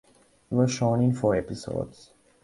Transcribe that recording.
It was shown in four episodes.